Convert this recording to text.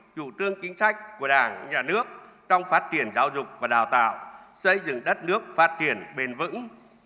chủ trương chính sách của đảng nhà nước trong phát triển giáo dục và đào tạo xây dựng đất nước phát triển bền vững